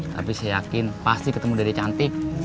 tapi saya yakin pasti ketemu dari cantik